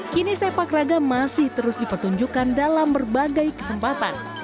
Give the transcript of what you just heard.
kini sepak raga masih terus dipertunjukkan dalam berbagai kesempatan